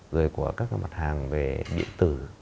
rồi của các mặt hàng về điện tử